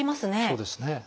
そうですね。